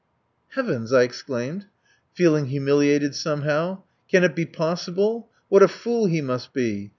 "Heavens!" I exclaimed, feeling humiliated somehow. "Can it be possible? What a fool he must be!